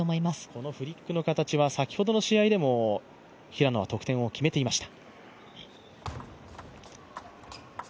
このフリックの形は先ほどの試合でも平野は得点を決めていました。